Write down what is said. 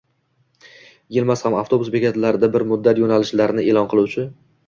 Yilmaz ham abtobus bekatlarida bir muddat yo'nalishlarni e'lon qiluvchi